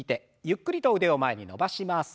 ゆっくりと腕を前に伸ばします。